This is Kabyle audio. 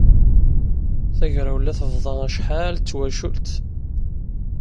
Tagrawla tebḍa acḥal d tawacult.